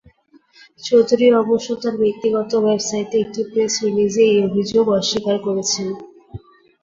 চৌধুরী অবশ্য তার ব্যক্তিগত ওয়েবসাইটে একটি প্রেস রিলিজে এই অভিযোগ অস্বীকার করেছেন।